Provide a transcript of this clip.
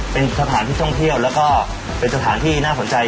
เป็นสถานที่ท่องเที่ยวแล้วก็เป็นสถานที่น่าสนใจ